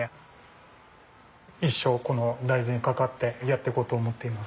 一生この大豆に関わってやっていこうと思っています。